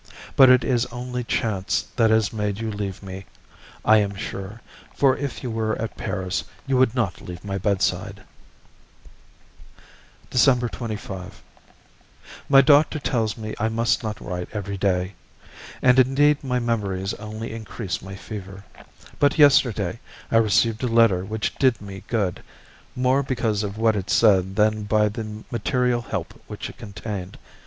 But it is only chance that has made you leave me, I am sure, for if you were at Paris, you would not leave my bedside. December 25. My doctor tells me I must not write every day. And indeed my memories only increase my fever, but yesterday I received a letter which did me good, more because of what it said than by the material help which it contained.